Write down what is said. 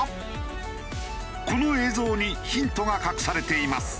この映像にヒントが隠されています。